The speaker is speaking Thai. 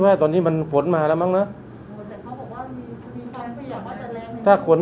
ถ้าฝนถึงช่วงใช่ไหม